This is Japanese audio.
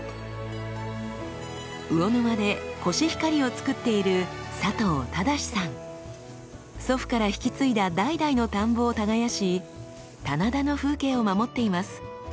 魚沼でコシヒカリを作っている祖父から引き継いだ代々の田んぼを耕し棚田の風景を守っています。